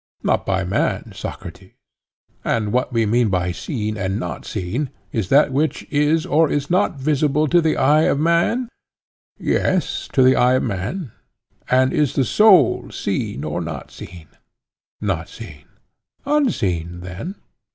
Not by man, Socrates. And what we mean by 'seen' and 'not seen' is that which is or is not visible to the eye of man? Yes, to the eye of man. And is the soul seen or not seen? Not seen. Unseen then?